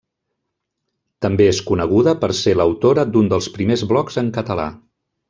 També és coneguda per ser l'autora d'un dels primers blogs en català.